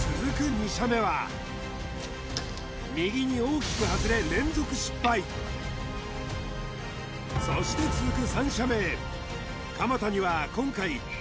２射目は右に大きく外れ連続失敗そして続く